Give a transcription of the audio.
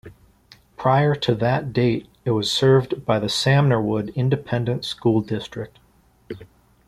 Prior to that date it was served by the Samnorwood Independent School District.